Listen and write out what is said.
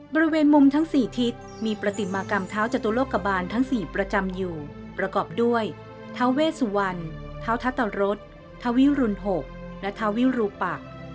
บริเวณมุมทั้ง๔ทิศมีประติมากรรมเท้าจตุโลกบาลทั้ง๔ประจำอยู่ประกอบด้วยท้าเวสุวรรณเท้าทัตรรสทวิรุณ๖และทวิรูปัก